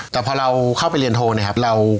แต่พอเราเข้าไปเรียนโทรเนี่ยครับ